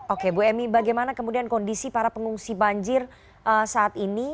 oke bu emy bagaimana kemudian kondisi para pengungsi banjir saat ini